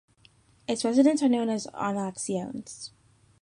Its residents are known as "Oyonnaxiens".